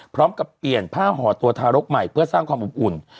พร้อมกับเปลี่ยนผ้าห่อตัวทารกใหม่เพื่อสร้างความอบอุ่น